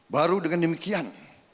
baru dengan demikian